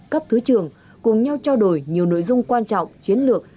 cấp thứ trưởng cùng nhau trao đổi nhiều nội dung quan trọng chiến lược